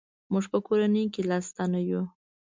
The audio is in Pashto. موږ په کورنۍ کې لس تنه یو.